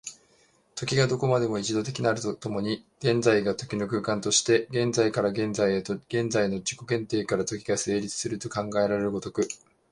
時がどこまでも一度的なると共に、現在が時の空間として、現在から現在へと、現在の自己限定から時が成立すると考えられる如く、